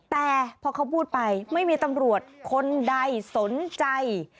แต่พอเขาพูดไปไม่มีตำรวจคนใดสนใจ